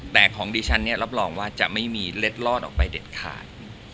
แต่ของดิฉันเนี่ยรับรองว่าจะไม่มีเล็ดลอดออกไปเด็ดขาด